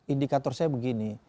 indikator saya begini